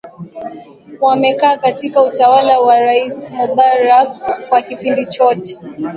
wamekaa katika utawala wa rais mubarak kwa kipindi chote